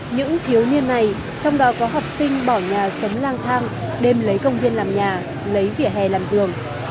những thiếu niên này trong đó có học sinh bỏ nhà sống lang thang đêm lấy công viên làm nhà lấy vỉa hè làm giường